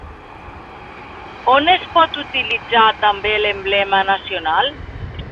On es pot utilitzar també l'emblema nacional?